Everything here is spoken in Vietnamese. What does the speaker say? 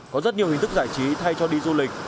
có rất nhiều hình thức giải trí thay cho đi du lịch